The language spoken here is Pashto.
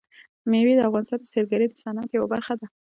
مېوې د افغانستان د سیلګرۍ د صنعت یوه برخه ده.